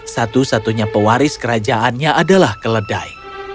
satu satunya pewaris kerajaannya adalah keledai